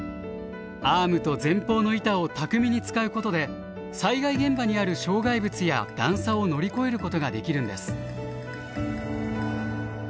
アームと前方の板を巧みに使うことで災害現場にある障害物や段差を乗り越えることができるんです。